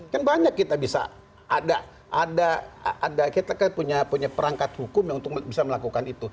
kan banyak kita bisa ada perangkat hukum yang bisa melakukan itu